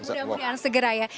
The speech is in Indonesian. mudah mudahan segera ya